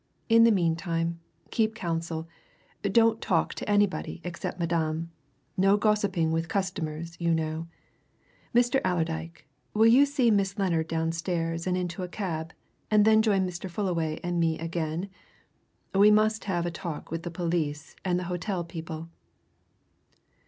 In the meantime, keep counsel don't talk to anybody except Madame no gossiping with customers, you know. Mr. Allerdyke, will you see Miss Lennard downstairs and into a cab, and then join Mr. Fullaway and me again? we must have a talk with the police and the hotel people."